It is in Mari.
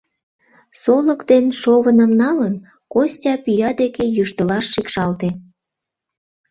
Солык ден шовыным налын, Костя пӱя деке йӱштылаш шикшалте.